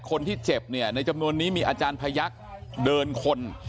คนที่เจ็บเนี่ยในจำนวนนี้มีอาจารย์พยักษ์เดินคน